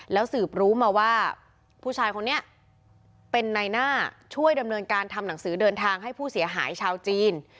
แล้วสืบรู้มาว่าผู้ชายคนนี้เป็นนายหน้าช่วยดำเนินการทำหนังสือเดินทางให้ผู้เสียหายชาวจีน